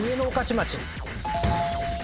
町？